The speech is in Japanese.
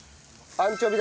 アンチョビ。